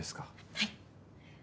はい。